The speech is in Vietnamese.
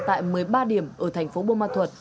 tại một mươi ba điểm ở thành phố buôn ma thuật